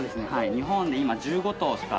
日本で今１５頭しか。